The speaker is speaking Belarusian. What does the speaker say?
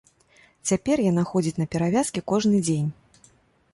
Цяпер яна ходзіць на перавязкі кожны дзень.